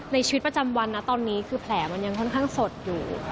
ในชีวิตประจำวันนะตอนนี้คือแผลมันยังค่อนข้างสดอยู่